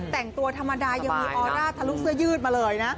แต่งตัวธรรมดายังมีออร่าทะลุเสื้อยืดมาเลยนะ